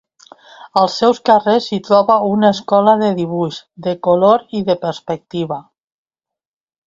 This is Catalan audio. Als seus carrers hi trobà una escola de dibuix, de color i de perspectiva.